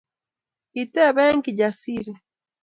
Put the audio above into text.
Kitebe Kijasiri